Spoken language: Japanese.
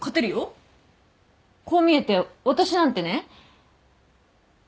こう見えて私なんてね。